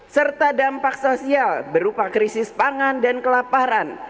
serta dampak sosial berupa krisis pangan dan kelaparan